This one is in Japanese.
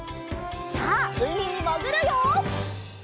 さあうみにもぐるよ！